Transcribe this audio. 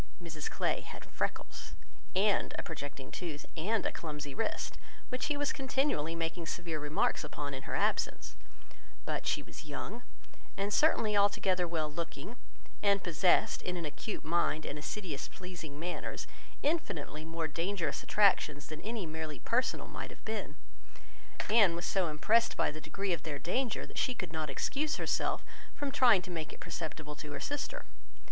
Mrs Clay had freckles, and a projecting tooth, and a clumsy wrist, which he was continually making severe remarks upon, in her absence; but she was young, and certainly altogether well looking, and possessed, in an acute mind and assiduous pleasing manners, infinitely more dangerous attractions than any merely personal might have been. Anne was so impressed by the degree of their danger, that she could not excuse herself from trying to make it perceptible to her sister.